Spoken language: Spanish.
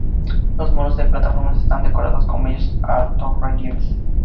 Los muros de las plataformas están decorados con bellos altorrelieves.